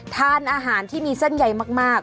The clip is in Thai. ทานอาหารที่มีเส้นใยมาก